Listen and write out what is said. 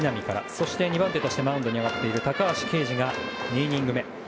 そして２番手としてマウンドに上がっている高橋奎二が２イニング目。